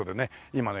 今ね